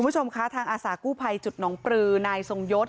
คุณผู้ชมคะทางอาสากู้ภัยจุดหนองปลือนายทรงยศ